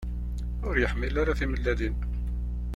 Ur yeḥmil ara timellalin.